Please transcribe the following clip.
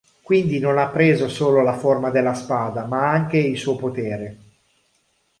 Quindi non ha preso solo la forma della spada, ma anche il suo potere.